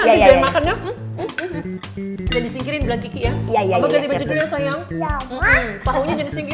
ganti baju dulu ya sayang